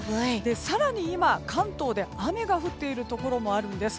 更に今、関東で雨が降っているところもあるんです。